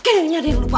kayaknya ada yang lupa